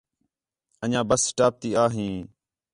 انڄیاں بس سٹاپ تی آ ہیں